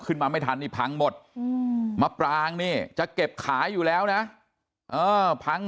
ขึ้นมาไม่ทันนี่พังหมดมะปรางนี่จะเก็บขายอยู่แล้วนะพัง